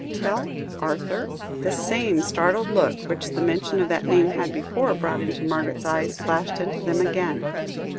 "Tell Arthur?" The same startled look which the mention of that name had before brought into Margaret's eyes, flashed into them again.